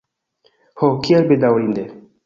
Ho, kiel bedaŭrinde!